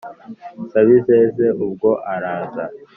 sabizeze ubwo araza